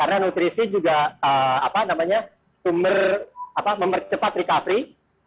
karena nutrisi juga apa namanya memercepat recovery